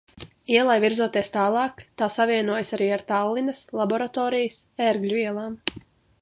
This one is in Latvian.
Ielai virzoties tālāk, tā savienojas arī ar Tallinas, Laboratorijas, Ērgļu ielām.